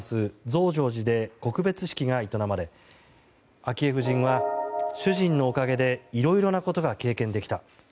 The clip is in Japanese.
増上寺で告別式が営まれ昭恵夫人は主人のおかげでいろいろなことが経験できた。